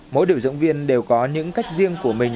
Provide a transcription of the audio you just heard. mỗi điều dưỡng viên đều có những cách riêng của mình